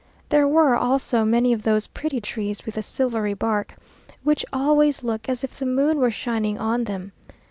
There were also many of those pretty trees with the silvery bark, which always look as if the moon were shining on them.